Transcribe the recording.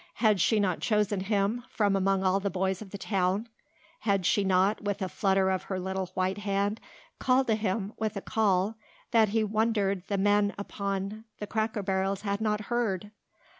Had she not chosen him from among all the boys of the town; had she not, with a flutter of her little, white hand, called to him with a call that he wondered the men upon the cracker barrels had not heard?